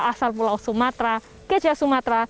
asal pulau sumatra keja sumatra